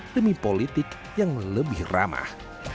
demi politik yang lebih ramah